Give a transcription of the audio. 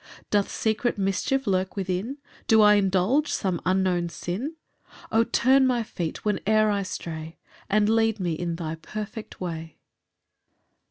4 Doth secret mischief lurk within? Do I indulge some unknown sin? O turn my feet whene'er I stray, And lead me in thy perfect way.